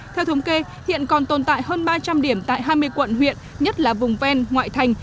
theo thống kê hiện còn tồn tại hơn ba trăm linh điểm tại hai mươi quận huyện nhất là vùng ven ngoại thành